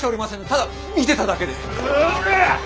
ただ見てただけで。